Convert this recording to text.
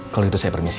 kalau itu saya permisi